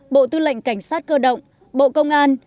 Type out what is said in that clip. bộ tư lệnh cảnh sát cơ động bộ công an